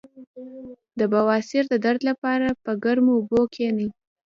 د بواسیر د درد لپاره په ګرمو اوبو کینئ